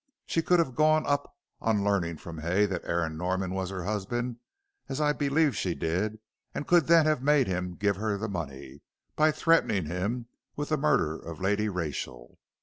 She could have gone up on learning from Hay that Aaron Norman was her husband as I believe she did and could then have made him give her the money, by threatening him with the murder of Lady Rachel.